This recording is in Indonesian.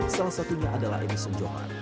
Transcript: salah satunya adalah emisun joman